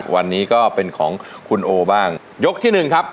วันนี้ก็เป็นของคุณโอบ้างยกที่หนึ่งครับ